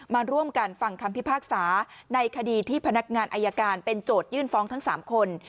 มาร่วมกันฟังคำพิพากษาในคดีที่พนักงานอายการเป็นโจทยื่นฟ้องทั้ง๓คน